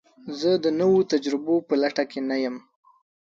زه د نوو تجربو په لټه کې نه یم.